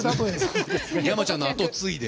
山ちゃんの後を継いで。